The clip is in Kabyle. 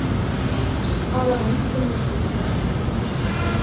Qqareɣ wissen m ad zewǧeɣ yiwwas.